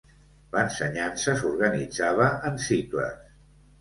L'ensenyança s'organitzava en cicles.